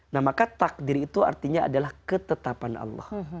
nah maka takdir itu artinya adalah ketetapan allah